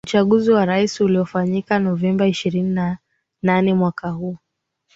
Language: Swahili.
uchaguzi wa rais uliofanyika novemba ishrini na nane mwaka huu